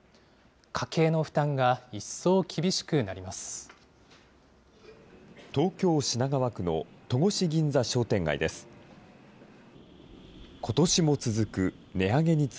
家計の負担が一層厳しくなります。